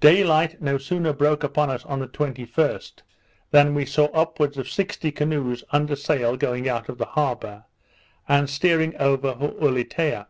Day light no sooner broke upon us on the 21st, than we saw upwards of sixty canoes under sail going out of the harbour, and steering over for Ulietea.